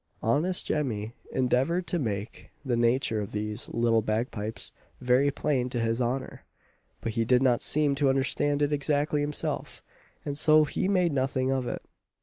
Honest Jemmy endeavoured to make the nature of these "little bagpipes" very plain to his honour; but he did not seem to understand it exactly himself, and so he made nothing of it.